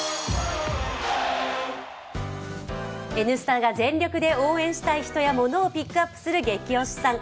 「Ｎスタ」が全力で応援したい人やものをピックアップする「ゲキ推しさん」。